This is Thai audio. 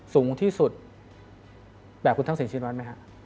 สูงที่สุดแบบคุณทักษิณชินวัฒน์ไหมฮะ